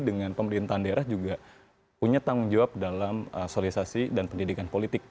dengan pemerintahan daerah juga punya tanggung jawab dalam sosialisasi dan pendidikan politik